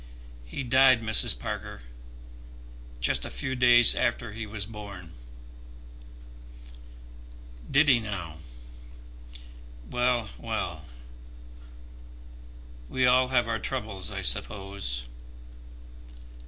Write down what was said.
"He died, Mrs. Parker, just a few days after he was born." "Did he now? Well, well. We all have our troubles, I suppose."